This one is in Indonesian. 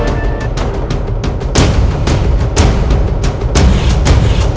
saya memaksak rindu tak tersentuh